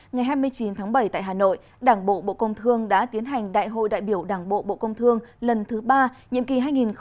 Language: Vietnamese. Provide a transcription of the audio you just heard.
ngày hai mươi chín tháng bảy tại hà nội đảng bộ bộ công thương đã tiến hành đại hội đại biểu đảng bộ bộ công thương lần thứ ba nhiệm kỳ hai nghìn hai mươi hai nghìn hai mươi năm